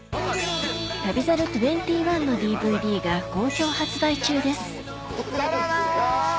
『旅猿２１』のＤＶＤが好評発売中ですサラダ！